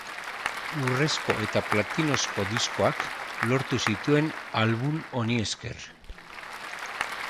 Urrezko eta platinozko diskoak lortu zituen album honi esker.